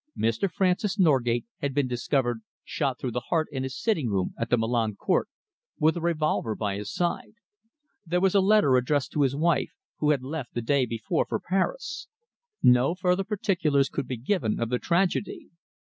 Mr. Francis Norgate had been discovered shot through the heart in his sitting room at the Milan Court, with a revolver by his side. There was a letter addressed to his wife, who had left the day before for Paris. No further particulars could be given of the tragedy.